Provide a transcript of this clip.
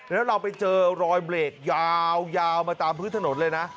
แล้วเราไปเจอรอยเบรกยาวมาตามพื้นถนนเลยนะ